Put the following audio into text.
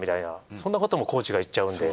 そんなこともコーチが言っちゃうんで。